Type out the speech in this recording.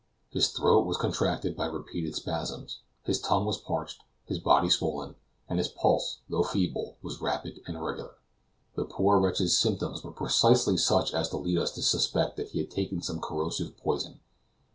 His throat was contracted by repeated spasms, his tongue was parched, his body swollen, and his pulse, though feeble, was rapid and irregular. The poor wretch's symptoms were precisely such as to lead us to suspect that he had taken some corrosive poison.